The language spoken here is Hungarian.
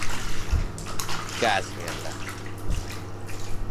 Kázmér lett.